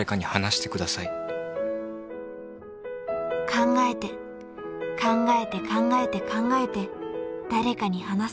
［考えて考えて考えて考えて誰かに話す］